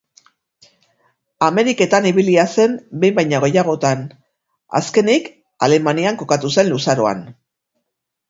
Ameriketan ibilia zen behin baino gehiagotan; azkenik, Alemanian kokatu zen luzaroan.